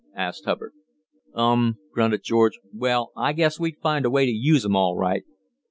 asked Hubbard. "Um!" grunted George. "Well, I guess we'd find a way to use 'em, all right."